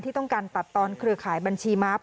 ต้องการตัดตอนเครือข่ายบัญชีม้า